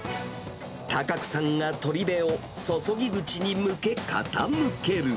高久さんが取鍋を注ぎ口に向け傾ける。